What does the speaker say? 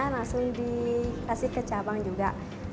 langsung dikasih ke cabang juga